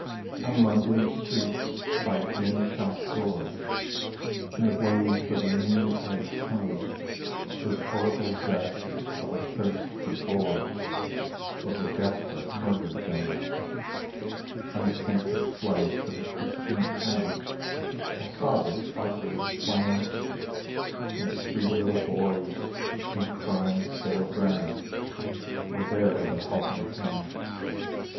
ON London streets by a gin shop door, In the blaze of a noontide sun, With horrible zest of a thirst for gore, Was a desperate murder done, On the sainted flags of a Christian town, I saw this outrage planned, And three little boys, in crime, sere brown Were there with a helping hand.